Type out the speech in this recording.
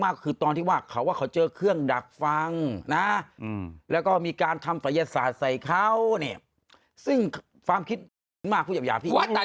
เอาคุณนี้มาก็คือน่ากลัวอะไรแล้วพี่หมอบา